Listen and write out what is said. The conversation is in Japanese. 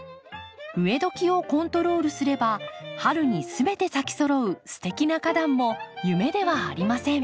植えどきをコントロールすれば春に全て咲きそろうすてきな花壇も夢ではありません。